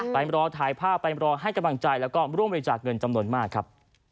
ไปรอถ่ายภาพไปรอให้กำลังใจแล้วก็ร่วมบริจาคเงินจำนวนมากครับ